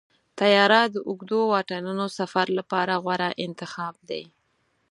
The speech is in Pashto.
طیاره د اوږدو واټنونو سفر لپاره غوره انتخاب دی.